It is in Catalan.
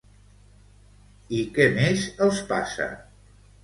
I què més els passa?